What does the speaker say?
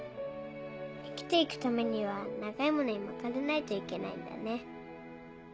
生きて行くためには長い物に巻かれないといけないんだね。